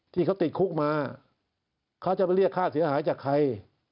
ที่เขาติดคุกมาเขาจะไปเรียกค่าเสียหายจากใคร